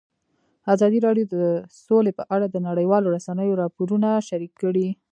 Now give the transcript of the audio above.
ازادي راډیو د سوله په اړه د نړیوالو رسنیو راپورونه شریک کړي.